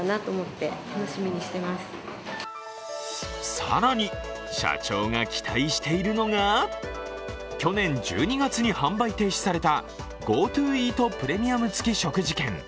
更に社長が期待しているのが去年１２月に販売停止されたＧｏＴｏイートプレミアム付食事券。